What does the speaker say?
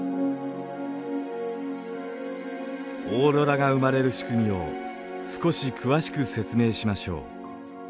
オーロラが生まれる仕組みを少し詳しく説明しましょう。